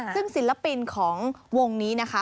ซึ่งศิลปินของวงนี้นะคะ